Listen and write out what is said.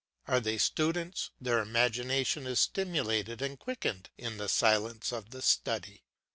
Are they students, their imagination is stimulated and quickened in the silence of the study.